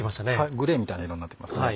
グレーみたいな色になってきます。